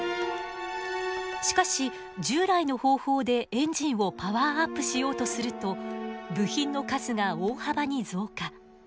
しかし従来の方法でエンジンをパワーアップしようとすると部品の数が大幅に増加。